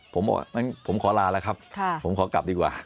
ผมบอกงั้นผมขอลาแล้วครับผมขอกลับดีกว่า